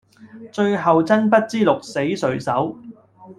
最後真不知鹿死誰手